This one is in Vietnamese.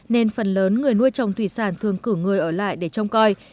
nên phần lớn người nuôi trồng thủy sản thường cử người ở lại để trông coi